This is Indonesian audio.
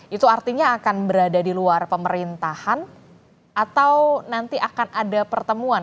itu artinya akan berada di luar pemerintahan atau nanti akan ada pertemuan